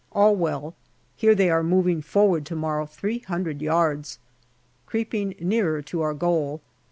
All well. Hear they are moving forward to morrow three hundred yards. Creeping nearer to our goal.